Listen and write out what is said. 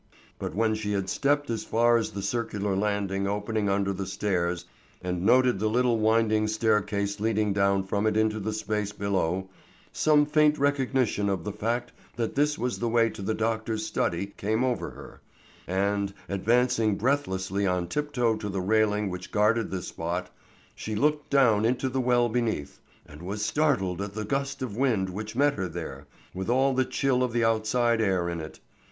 But when she had stepped as far as the circular landing opening under the stairs, and noted the little winding staircase leading down from it into the space below, some faint recognition of the fact that this was the way to the doctor's study came over her, and, advancing breathlessly on tiptoe to the railing which guarded this spot, she looked down into the well beneath, and was startled at the gust of wind which met her there, with all the chill of the outside air in it.